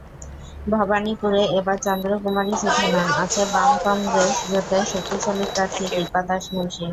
ভবানীপুরে এবার চন্দ্রকুমারই শুধু নন, আছেন বাম-কংগ্রেস জোটের শক্তিশালী প্রার্থী দীপা দাশমুন্সি।